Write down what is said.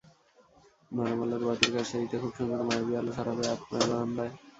নরম আলোর বাতির কারসাজিতে খুব সুন্দর মায়াবী আলো ছড়াবে আপনার বারান্দায়।